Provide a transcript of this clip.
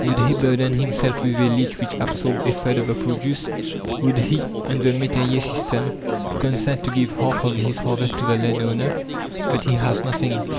Would he burden himself with a lease which absorbed a third of the produce? Would he on the métayer system consent to give half of his harvest to the landowner? But he has nothing.